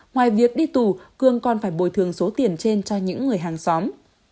ngoài việc đi tù cương còn phải bồi thường số tiền trên cho những người hàng xóm